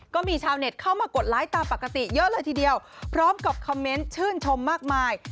ก็มีชาวเน็ตเข้ามากดไลค์ตามปกติเยอะเลยทีเดียวพร้อมกับคอมเมนต์ชื่นชมมากมาย